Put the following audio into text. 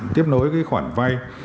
tiếp nối cái khoản vay